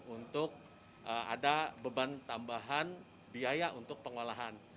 untuk ada beban tambahan biaya untuk pengolahan